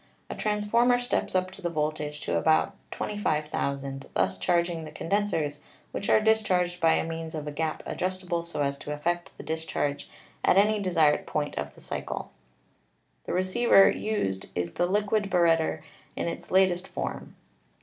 A transformer steps up the voltage to about 25,000, thus charging the condensers, which are discharged by means of a gap adjustable so as to effect the discharge at any desired point of the cycle. WIRELESS TELEGRAPHY 327 "The receiver used is the liquid barretter in its latest form.